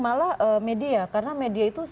malah media karena media itu